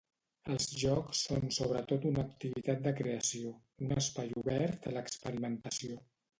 Els jocs són sobretot una activitat de creació, un espai obert a l’experimentació.